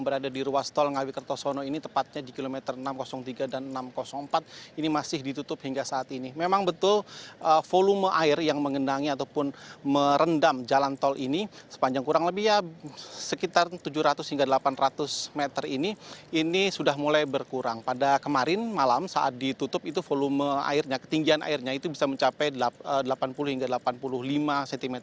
pada saat malam saat ditutup itu volume airnya ketinggian airnya itu bisa mencapai delapan puluh hingga delapan puluh lima cm